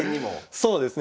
そうですね。